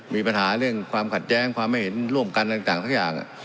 มีปัญหาเรื่องความขัดแย้งความไม่เห็นร่วมกันต่างสักอย่าง